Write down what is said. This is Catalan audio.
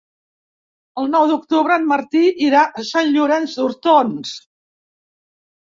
El nou d'octubre en Martí irà a Sant Llorenç d'Hortons.